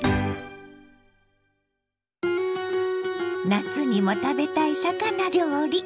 夏にも食べたい魚料理。